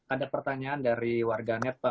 ada pertanyaan dari warganet pak